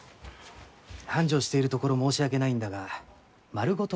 繁盛しているところ申し訳ないんだが丸ごと